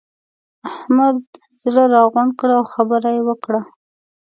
احمد زړه راغونډ کړ؛ او خبره يې وکړه.